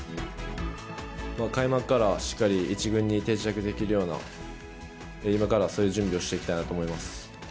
開幕からしっかり１軍に定着できるような、今からそういう準備をしていきたいなと思います。